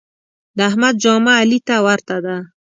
د احمد جامه علي ته ورته ده.